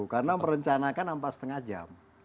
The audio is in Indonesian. karena merencanakan empat lima jam